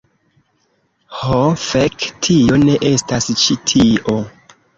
Ho, fek', tio ne estas ĉi tio.